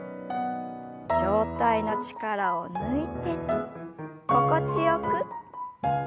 上体の力を抜いて心地よく。